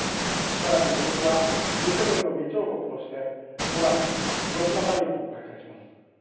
さらに今年はＧ７の議長国として５月に広島サミットを開催します。